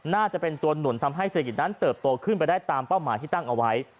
น่าจะเป็นตัวหนุนทำให้เศรษฐกิจนั้นเติบโตขึ้นไปได้ตามเป้าหมายที่ตั้งเอาไว้